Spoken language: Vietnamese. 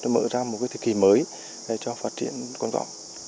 đây là một cái thời kỳ mới cho phát triển cồn cỏ